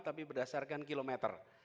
tapi berdasarkan kilometer